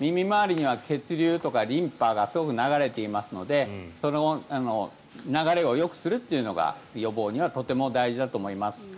耳周りには血流とかリンパがすごく流れていますのでその流れをよくするのが予防にはとても大事だと思います。